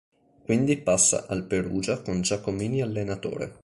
Quindi passa al Perugia con Giacomini allenatore.